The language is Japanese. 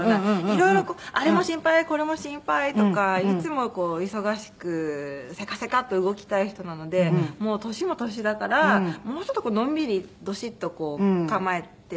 いろいろこうあれも心配これも心配とかいつも忙しくせかせかと動きたい人なのでもう年も年だからもうちょっとこうのんびりどしっとこう構えて。